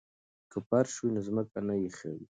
که فرش وي نو ځمکه نه یخوي.